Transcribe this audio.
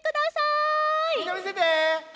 みんなみせて！